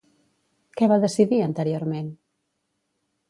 Què va decidir anteriorment?